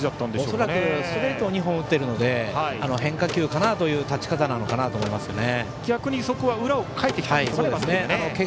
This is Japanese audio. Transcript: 恐らくストレートを２本打っているので変化球かなというたち方かなと思いますね。